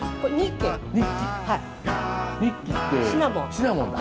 シナモンだ！